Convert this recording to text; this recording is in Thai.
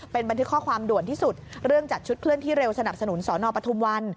เป็นบันทึกข้อความด่วนที่สุดเรื่องจัดชุดเคลื่อนที่เร็วสนับสนุนสนปทุมวัน